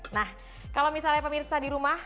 nah kalau misalnya pemirsa di rumah